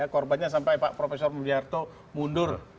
korbannya sampai pak profesor mulyarto mundur